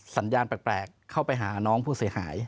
สัญญาณแปลกเข้าไปหาน้องผู้เสียหาย